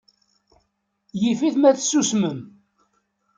Yif-it ma tsusmem.